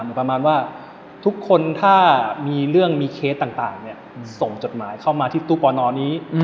ประมาณว่าทุกคนถ้ามีเรื่องมีเคสต่างส่งจดหมายเข้ามาที่ตู้ปอนนี้